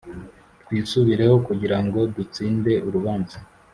Twisubireho kugira ngo dutsinde urubanza